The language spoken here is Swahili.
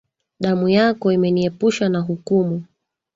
Damu yako imeniepusha na hukumu.